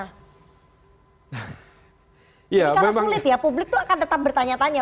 karena sulit ya publik itu akan tetap bertanya tanya